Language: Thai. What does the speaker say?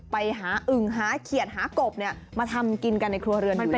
ไปหาอึ่งหาเขียดหากบมาทำกินกันในครัวเรือนด้วย